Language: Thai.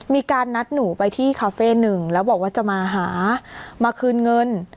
มีการนัดหนูไปที่คาเฟ่หนึ่งแล้วบอกว่าจะมาหามาคืนเงิน